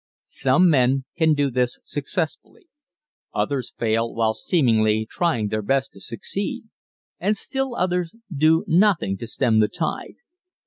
Some men can do this successfully others fail while seemingly trying their best to succeed and still others do nothing to stem the tide.